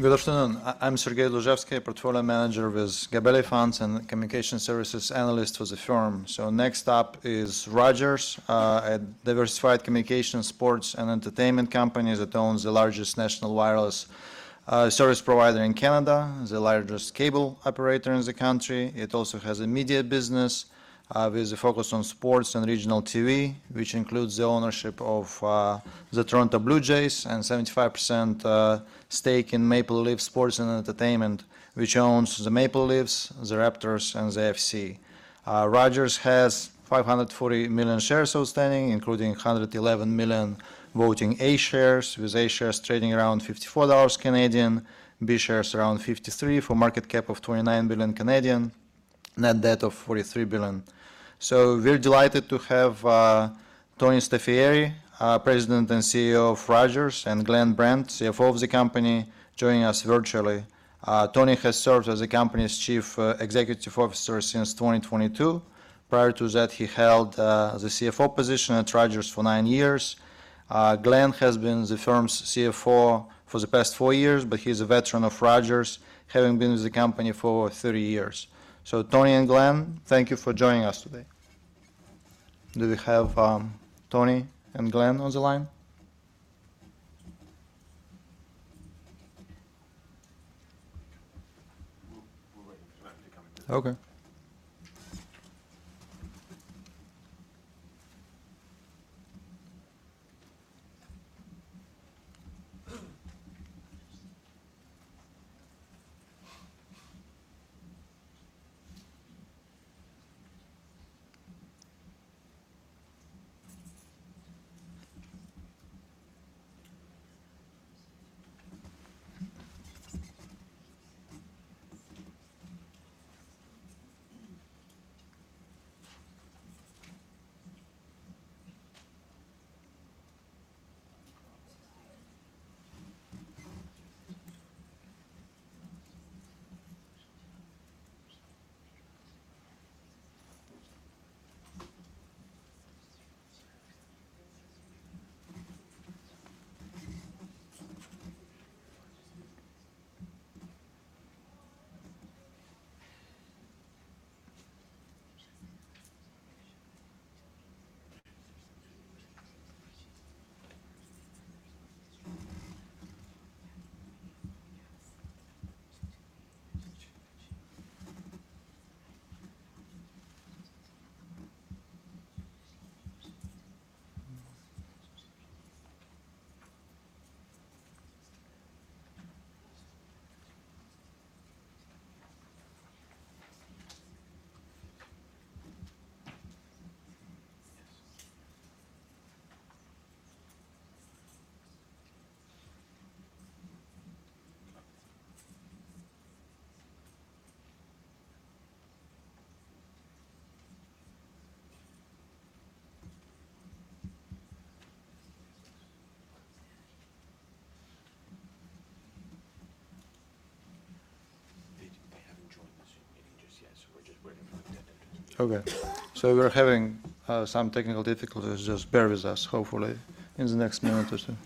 Good afternoon. I'm Sergey Dluzhevskiy, portfolio manager with Gabelli Funds and communication services analyst with the firm. Next up is Rogers, a diversified communication, sports, and entertainment company that owns the largest national wireless service provider in Canada, the largest cable operator in the country. It also has a media business with a focus on sports and regional TV, which includes the ownership of the Toronto Blue Jays and 75% stake in Maple Leaf Sports & Entertainment, which owns the Maple Leafs, the Raptors, and the FC. Rogers has 540 million shares outstanding, including 111 million voting A shares, with A shares trading around 54 Canadian dollars, B shares around 53 for a market cap of 29 billion Canadian dollars, net debt of 43 billion. We're delighted to have Tony Staffieri, President and CEO of Rogers, and Glenn Brandt, CFO of the company, joining us virtually. Tony has served as the company's Chief Executive Officer since 2022. Prior to that, he held the CFO position at Rogers for nine years. Glenn has been the firm's CFO for the past four years, but he's a veteran of Rogers, having been with the company for over 30 years. Tony and Glenn, thank you for joining us today. Do we have Tony and Glenn on the line? We're waiting for them to come into. Okay. They haven't joined the Zoom meeting just yet, so we're just waiting for them to get in. Okay. We're having some technical difficulties. Just bear with us. Hopefully, in the next minute or two.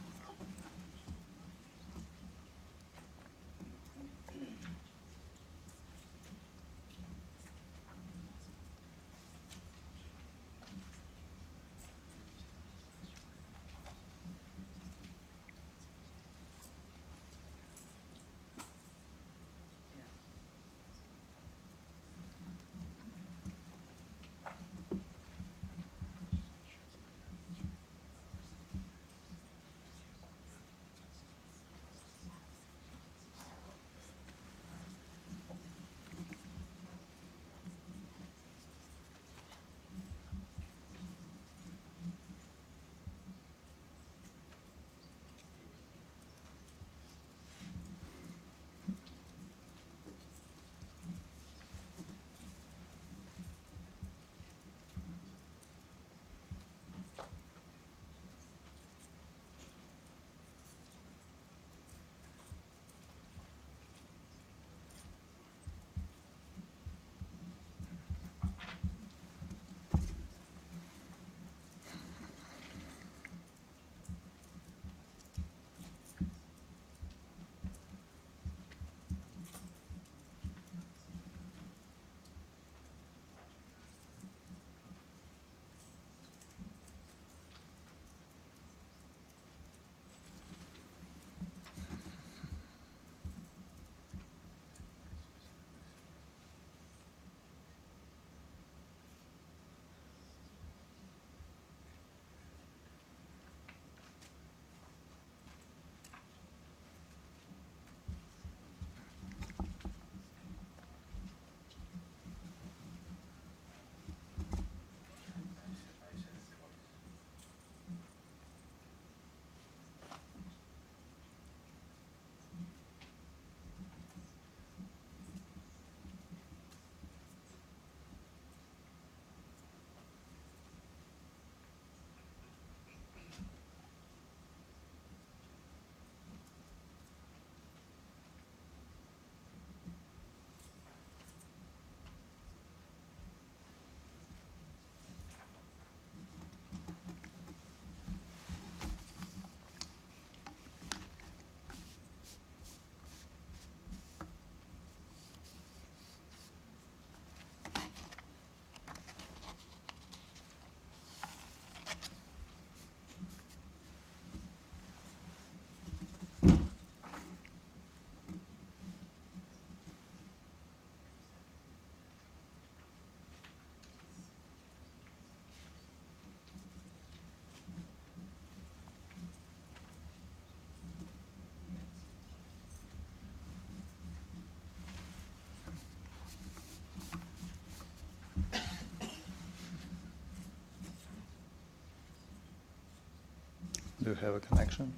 Do we have a connection?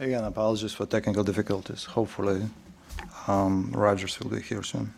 Fairly certain. They're not in the meeting yet. Again, apologies for technical difficulties. Hopefully, Rogers Communications will be here soon.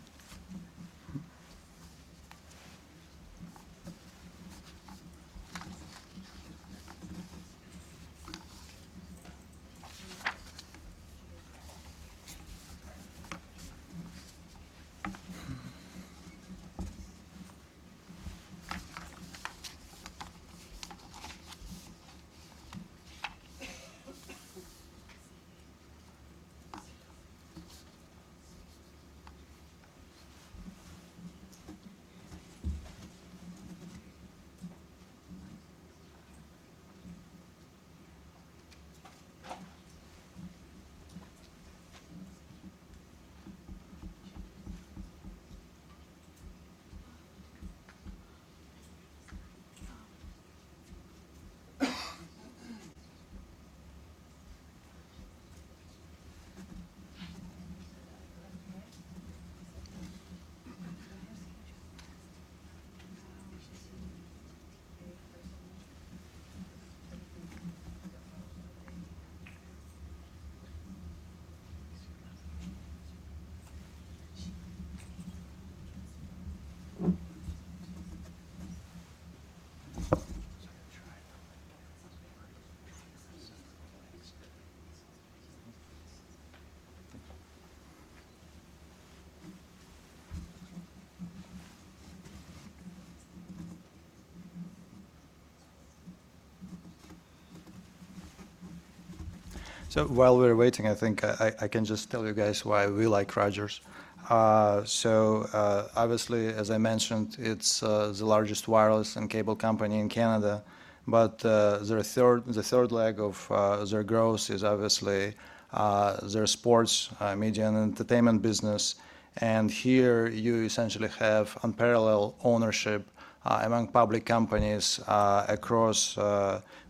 While we're waiting, I think I can just tell you guys why we like Rogers Communications. Obviously, as I mentioned, it's the largest wireless and cable company in Canada, but the third leg of their growth is obviously their sports media and entertainment business. Here you essentially have unparalleled ownership among public companies across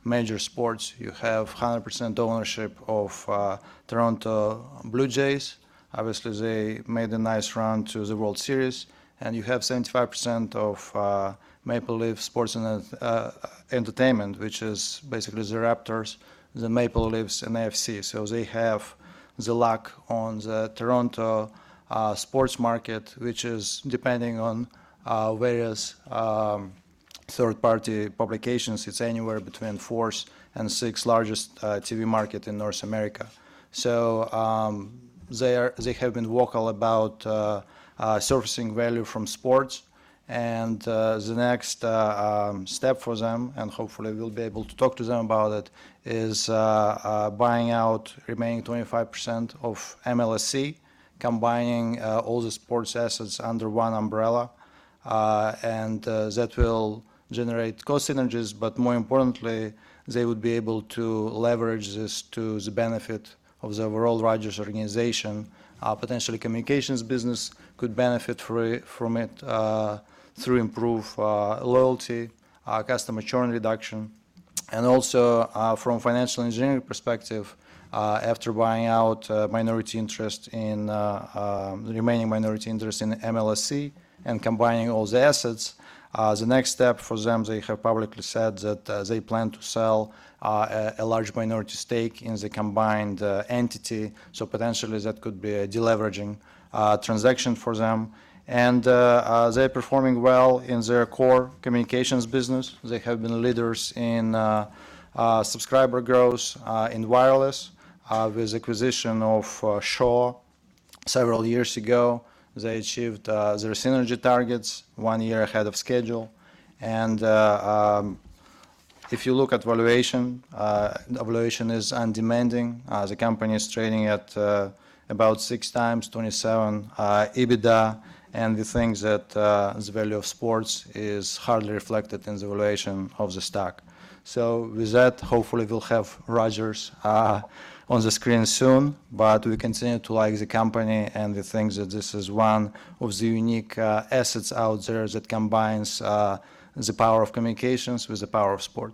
major sports. You have 100% ownership of Toronto Blue Jays. Obviously, they made a nice run to the World Series. You have 75% of Maple Leaf Sports & Entertainment, which is basically the Raptors, the Maple Leafs, and Toronto FC. They have the lock on the Toronto sports market, which is depending on various third-party publications, it's anywhere between fourth and sixth largest TV market in North America. They have been vocal about surfacing value from sports, and the next step for them, and hopefully we'll be able to talk to them about it, is buying out remaining 25% of MLSE, combining all the sports assets under one umbrella. That will generate cost synergies, but more importantly, they would be able to leverage this to the benefit of the overall Rogers organization. Potentially, communications business could benefit from it through improved loyalty, customer churn reduction. Also from financial engineering perspective, after buying out the remaining minority interest in MLSE and combining all the assets, the next step for them, they have publicly said that they plan to sell a large minority stake in the combined entity. Potentially, that could be a de-leveraging transaction for them. They're performing well in their core communications business. They have been leaders in subscriber growth in wireless. With acquisition of Shaw several years ago, they achieved their synergy targets one year ahead of schedule. If you look at valuation is undemanding. The company is trading at about six times 2027 EBITDA and we think that the value of sports is hardly reflected in the valuation of the stock. With that, hopefully we'll have Rogers on the screen soon, but we continue to like the company and we think that this is one of the unique assets out there that combines the power of communications with the power of sport.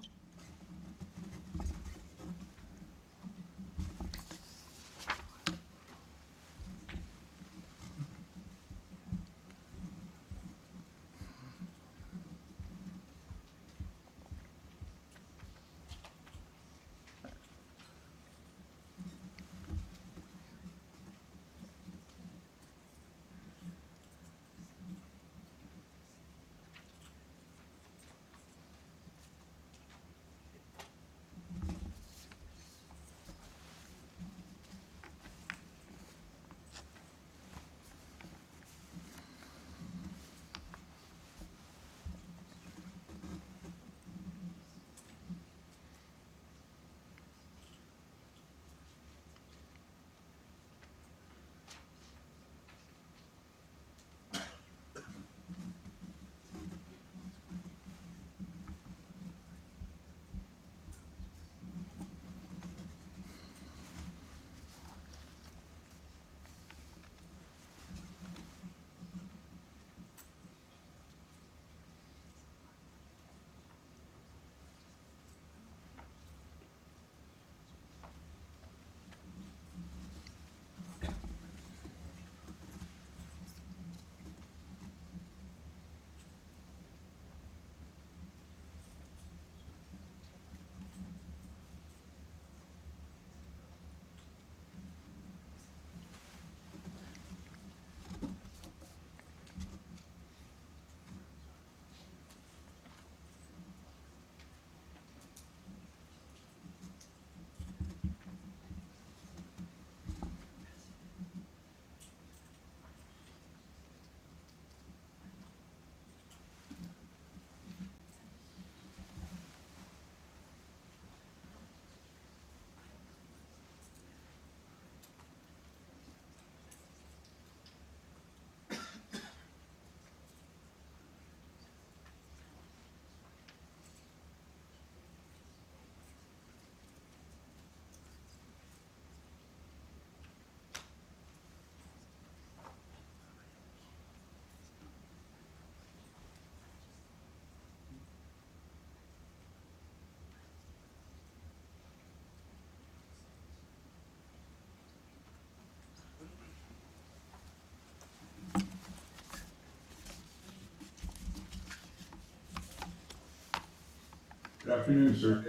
Good afternoon, sir.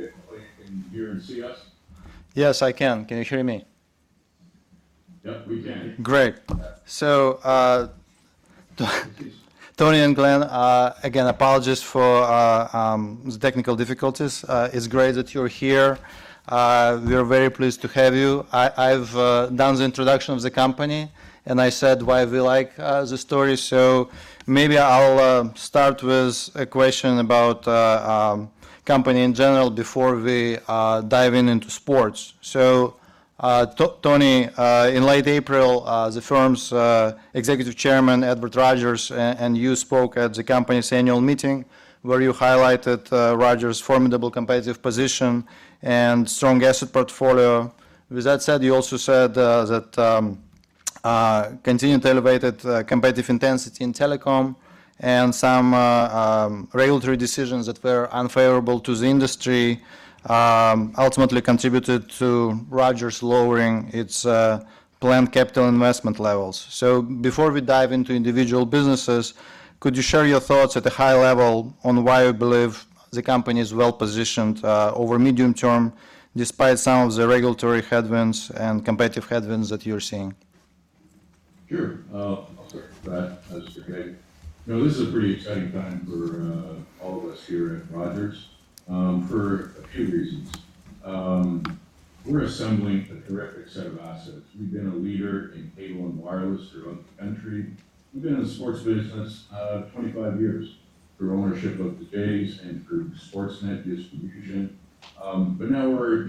Can you hear and see us? Yes, I can. Can you hear me? Yep, we can. Great. Tony and Glenn, again, apologies for the technical difficulties. It's great that you're here. We are very pleased to have you. I've done the introduction of the company, and I said why we like the story. Maybe I'll start with a question about company in general before we dive into sports. Tony, in late April, the firm's Executive Chair, Edward Rogers, and you spoke at the company's annual meeting where you highlighted Rogers' formidable competitive position and strong asset portfolio. With that said, you also said that continued elevated competitive intensity in telecom and some regulatory decisions that were unfavorable to the industry ultimately contributed to Rogers lowering its planned capital investment levels. Before we dive into individual businesses, could you share your thoughts at a high level on why you believe the company is well-positioned over medium term despite some of the regulatory headwinds and competitive headwinds that you're seeing? Sure. I'll start, Brandt. That's okay. This is a pretty exciting time for all of us here at Rogers, for a few reasons. We're assembling a terrific set of assets. We've been a leader in cable and wireless throughout the country. We've been in the sports business 25 years through ownership of the Jays and through Sportsnet distribution. Now we're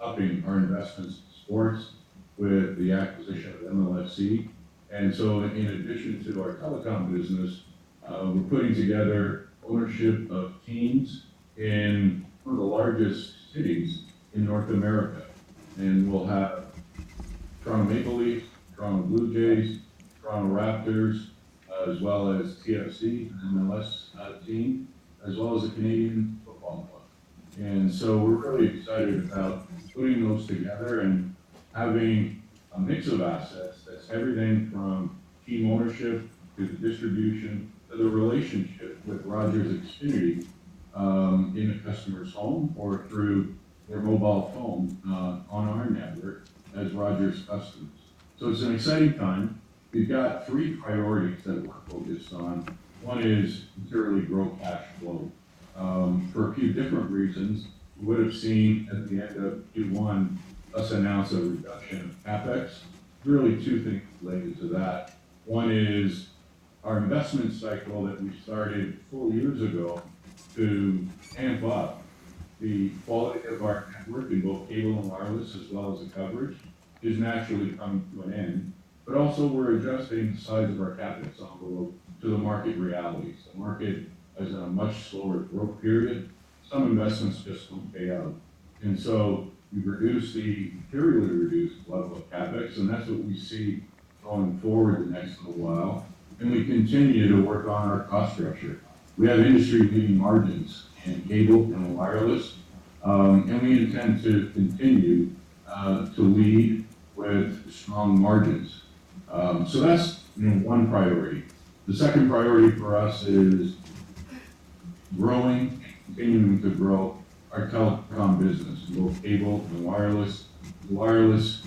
upping our investments in sports with the acquisition of MLSE. In addition to our telecom business, we're putting together ownership of teams in one of the largest cities in North America, and we'll have Toronto Maple Leafs, Toronto Blue Jays, Toronto Raptors, as well as Toronto FC, an MLS team, as well as the Canadian football club. We're really excited about putting those together and having a mix of assets that's everything from team ownership to the distribution to the relationship with Rogers Ignite in a customer's home or through their mobile phone on our network as Rogers customers. It's an exciting time. We've got three priorities that we're focused on. One is materially grow cash flow. For a few different reasons, you would've seen at the end of Q1 us announce a reduction of CapEx. Really two things related to that. One is our investment cycle that we started four years ago to amp up the quality of our network in both cable and wireless, as well as the coverage, is naturally coming to an end. But also we're adjusting the size of our capital envelope to the market realities. The market is in a much slower growth period. Some investments just don't pay out. We've materially reduced the level of CapEx, and that's what we see going forward the next little while. We continue to work on our cost structure. We have industry-leading margins in cable and wireless, and we intend to continue to lead with strong margins. That's one priority. The second priority for us is growing and continuing to grow our telecom business in both cable and wireless. Wireless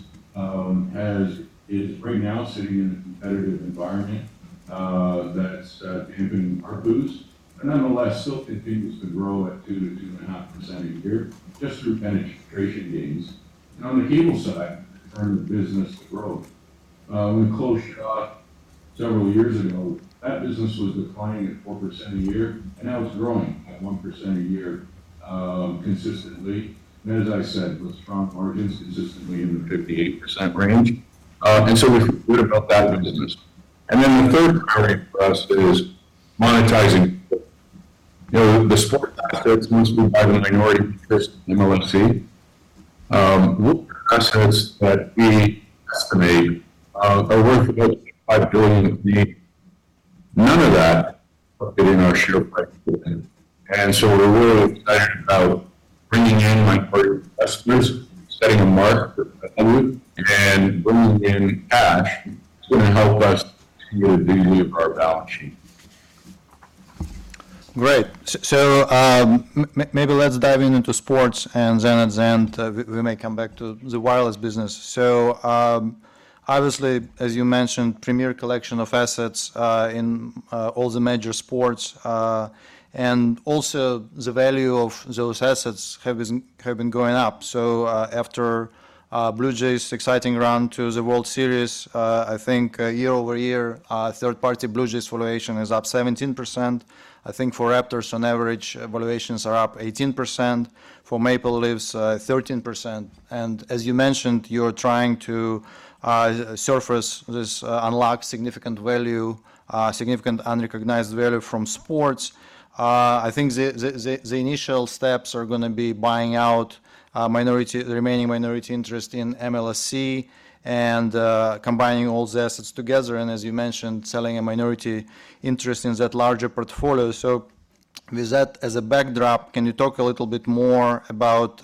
is right now sitting in a competitive environment that's dampening our growth, but nonetheless still continues to grow at 2%-2.5% a year just through penetration gains. On the cable side, the churn of the business growth. When we closed Shaw several years ago, that business was declining at 4% a year, and now it's growing at 1% a year consistently. As I said, with strong margins consistently in the 58% range. We feel good about that business. The third priority for us is monetizing. The sports assets mostly buy the minority interest in MLSE. Assets that we estimate are worth about CAD 5 billion. None of that is getting our share price moving. We're really excited about bringing in minority investors, setting a mark for value, and bringing in cash. It's going to help us de-lever our balance sheet. Great. Maybe let's dive into sports and then at the end, we may come back to the wireless business. Obviously, as you mentioned, premier collection of assets in all the major sports, and also the value of those assets have been going up. After Blue Jays' exciting run to the World Series, I think year-over-year, third-party Blue Jays valuation is up 17%. I think for Raptors on average, valuations are up 18%, for Maple Leafs, 13%. As you mentioned, you're trying to surface this unlocked significant value, significant unrecognized value from sports. I think the initial steps are going to be buying out the remaining minority interest in MLSE and combining all the assets together and as you mentioned, selling a minority interest in that larger portfolio. With that as a backdrop, can you talk a little bit more about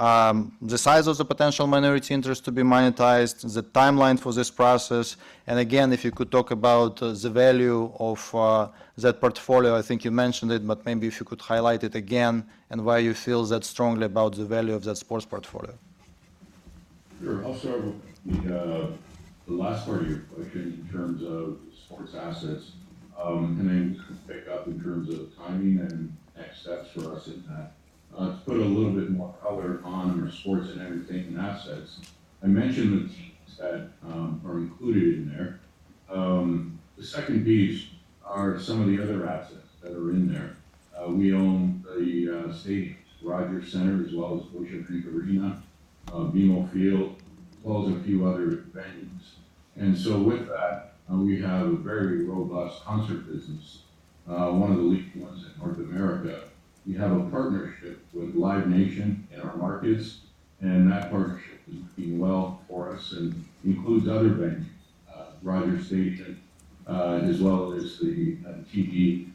the size of the potential minority interest to be monetized, the timeline for this process, and again, if you could talk about the value of that portfolio. I think you mentioned it, but maybe if you could highlight it again and why you feel that strongly about the value of that sports portfolio. Sure. I'll start with the last part of your question in terms of sports assets, and then pick up in terms of timing and next steps for us in that. To put a little bit more color on our sports and entertainment assets, I mentioned the teams that are included in there. The second piece are some of the other assets that are in there. We own the stadiums, Rogers Centre, as well as Scotiabank Arena, BMO Field, as well as a few other venues. With that, we have a very robust concert business, one of the leading ones in North America. We have a partnership with Live Nation in our markets, and that partnership is working well for us and includes other venues Rogers Stadium, as well as the TD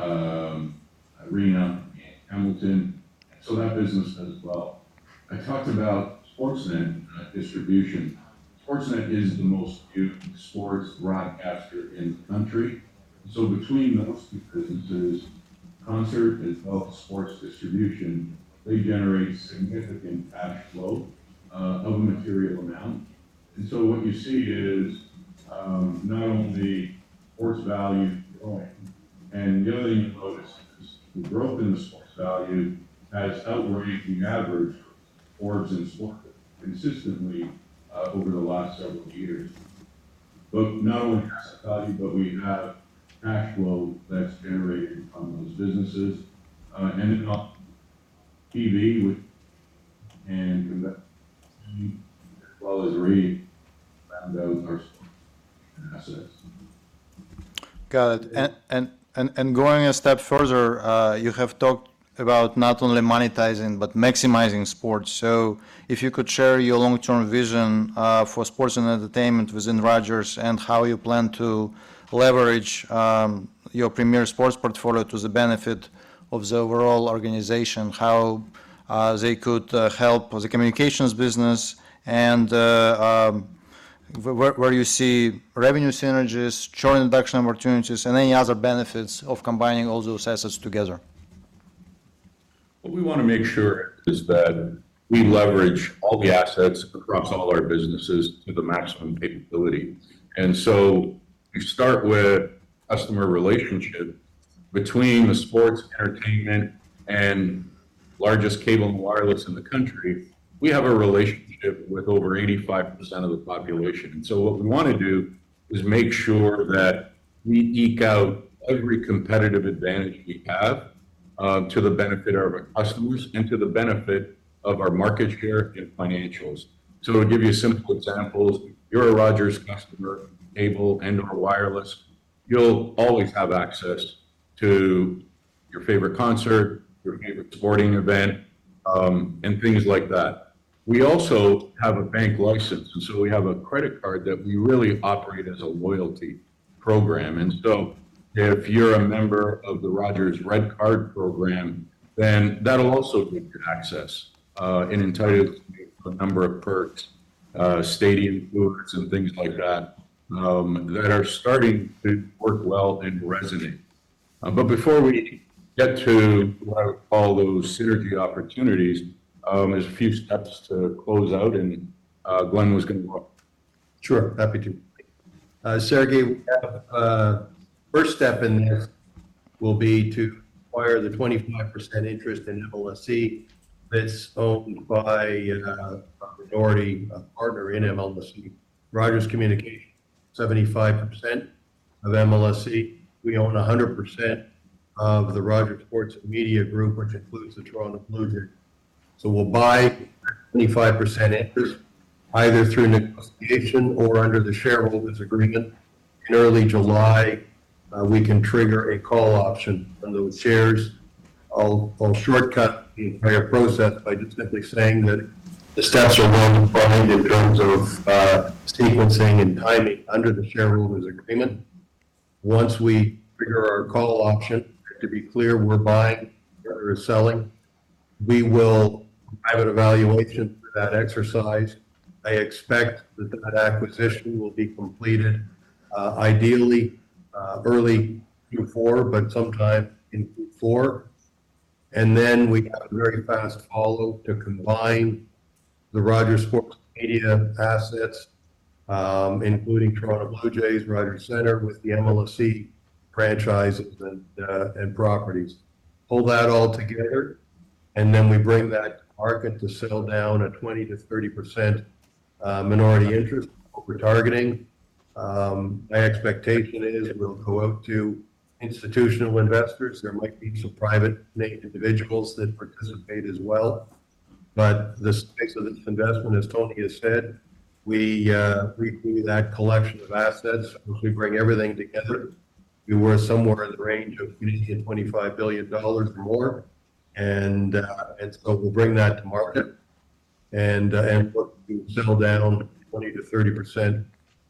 Arena in Hamilton. That business does well. I talked about Sportsnet distribution. Sportsnet is the most viewed sports broadcaster in the country. Between those two businesses, Concert and both sports distribution, they generate significant cash flow of a material amount. What you see is not only sports value growing, and the other thing you notice is the growth in the sports value has outraised the average for Forbes and Sportico consistently over the last several years. Not only has that value, but we have cash flow that's generated from those businesses ending up TV with and as well as Reed found those are assets. Got it. Going a step further, you have talked about not only monetizing but maximizing sports. So if you could share your long-term vision for sports and entertainment within Rogers and how you plan to leverage your premier sports portfolio to the benefit of the overall organization. How they could help the communications business, and where you see revenue synergies, churn reduction opportunities, and any other benefits of combining all those assets together? What we want to make sure is that we leverage all the assets across all our businesses to the maximum capability. You start with customer relationship between the sports entertainment and largest cable and wireless in the country. We have a relationship with over 85% of the population. What we want to do is make sure that we eke out every competitive advantage we have, to the benefit of our customers and to the benefit of our market share and financials. To give you a simple example, if you're a Rogers customer, cable and/or wireless, you'll always have access to your favorite concert, your favorite sporting event, and things like that. We also have a bank license, we have a credit card that we really operate as a loyalty program. If you're a member of the Rogers Red Card program, then that'll also give you access, and entitles you to a number of perks, stadium tours and things like that are starting to work well and resonate. Before we get to what I would call those synergy opportunities, there's a few steps to close out and Glenn was going to go up. Sure. Happy to. Sergey, we have first step in this will be to acquire the 25% interest in MLSE that's owned by a minority partner in MLSE. Rogers Communications, 75% of MLSE. We own 100% of the Rogers Sports & Media group, which includes the Toronto Blue Jays. We'll buy 25% interest either through negotiation or under the shareholders' agreement. In early July, we can trigger a call option on those shares. I'll shortcut the entire process by just simply saying that the steps are well-defined in terms of sequencing and timing under the shareholders' agreement. Once we trigger our call option, to be clear, we're buying, we're not selling. We will have an evaluation for that exercise. I expect that that acquisition will be completed, ideally, early Q4, but sometime in Q4. We have a very fast follow to combine the Rogers Sports & Media assets, including Toronto Blue Jays, Rogers Centre, with the MLSE franchises and properties. Pull that all together, and then we bring that to market to settle down a 20%-30% minority interest is what we're targeting. My expectation is we'll go out to institutional investors. There might be some private individuals that participate as well. The size of this investment, as Tony has said, we believe that collection of assets, once we bring everything together, be worth somewhere in the range of 20 billion-25 billion dollars or more. We'll bring that to market and look to settle down 20%-30%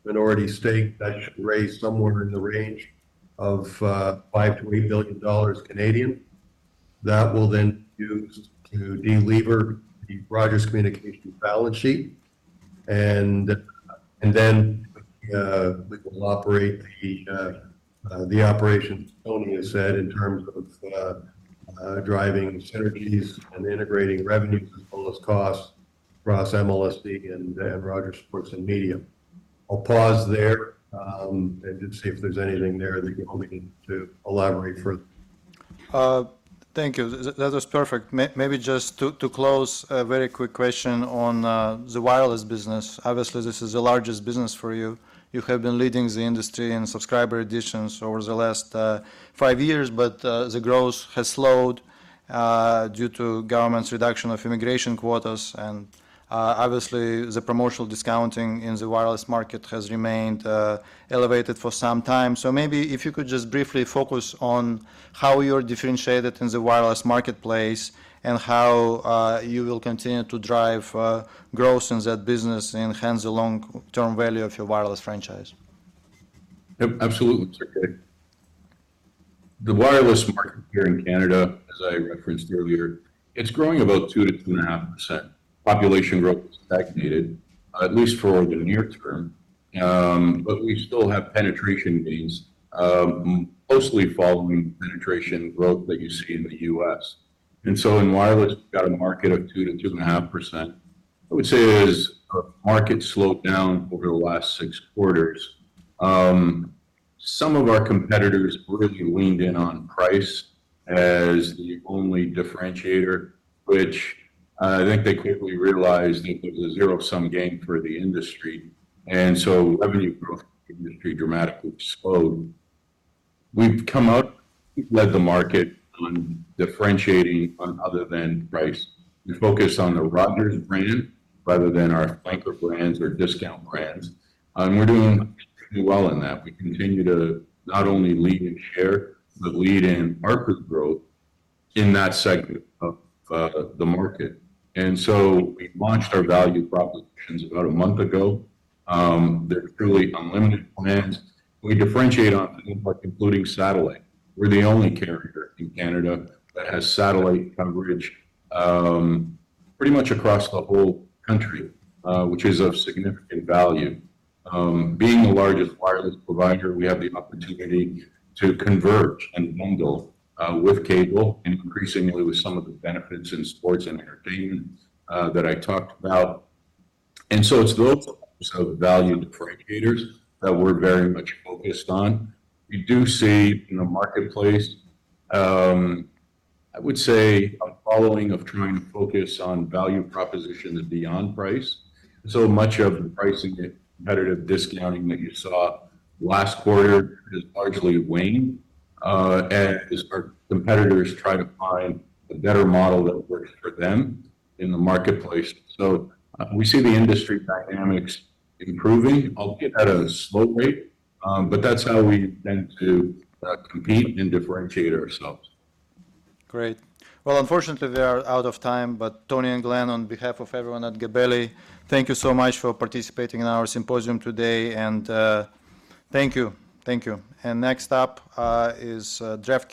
minority stake. That should raise somewhere in the range of 5 billion-8 billion dollars. That we'll then use to delever the Rogers Communications balance sheet. We will operate the operation Tony has said in terms of driving synergies and integrating revenues as well as costs across MLSE and Rogers Sports & Media. I'll pause there, and see if there's anything there that you want me to elaborate further. Thank you. That was perfect. Maybe just to close, a very quick question on the wireless business. Obviously, this is the largest business for you. You have been leading the industry in subscriber additions over the last five years, but the growth has slowed due to government's reduction of immigration quotas, and obviously, the promotional discounting in the wireless market has remained elevated for some time. Maybe if you could just briefly focus on how you're differentiated in the wireless marketplace and how you will continue to drive growth in that business and enhance the long-term value of your wireless franchise. Yep, absolutely, Sergey. The wireless market here in Canada, as I referenced earlier, it's growing about 2%-2.5%. Population growth has stagnated. At least for the near term. We still have penetration gains, closely following penetration growth that you see in the U.S. In wireless, we've got a market of 2%-2.5%. I would say as our market slowed down over the last six quarters, some of our competitors really leaned in on price as the only differentiator, which I think they quickly realized that it was a zero-sum game for the industry, revenue growth in the industry dramatically slowed. We've come out, we've led the market on differentiating on other than price. We focus on the Rogers brand rather than our flanker brands or discount brands. We're doing pretty well in that. We continue to not only lead in share, but lead in market growth in that segment of the market. We launched our value propositions about a month ago. They're truly unlimited plans, and we differentiate on network, including satellite. We're the only carrier in Canada that has satellite coverage pretty much across the whole country, which is of significant value. Being the largest wireless provider, we have the opportunity to converge and bundle with cable, and increasingly with some of the benefits in sports and entertainment that I talked about. It's those types of value differentiators that we're very much focused on. We do see in the marketplace, I would say, a following of trying to focus on value propositions beyond price. So much of the pricing competitive discounting that you saw last quarter has largely waned as our competitors try to find a better model that works for them in the marketplace. We see the industry dynamics improving, albeit at a slow rate, but that's how we intend to compete and differentiate ourselves. Great. Well, unfortunately, we are out of time. Tony and Glenn, on behalf of everyone at Gabelli, thank you so much for participating in our symposium today. Thank you. Next up is DraftKings.